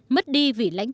mất đi vì lãnh đạo